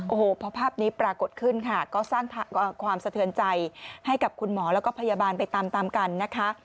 โอ้โหพอภาพนี้ปรากฏขึ้นค่ะก็สร้างความสะเทือนใจให้กับคุณหมอแล้วก็พยาบาลไปตามตามกันนะคะ